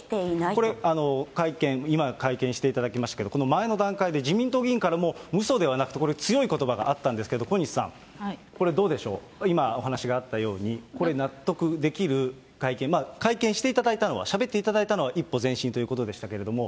これ、会見、今、会見していただきましたけど、この前の段階で、自民党議員からも、うそではなくという、これ、強いことばがあったんですけれども、小西さん、これ、どうでしょう、今お話があったように、これ、納得できる会見、会見していただいたのは、しゃべっていただいたのは一歩前進ということでしたけれども。